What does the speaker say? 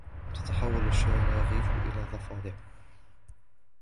تتحول الشراغيف إلى ضفادع.